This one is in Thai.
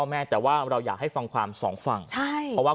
แม่แต่ว่าเราอยากให้ฟังความสองฝั่งใช่เพราะว่า